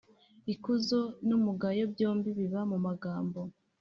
Ikuzo n’umugayo, byombi biba mu magambo,